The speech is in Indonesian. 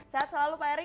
sehat selalu pak erick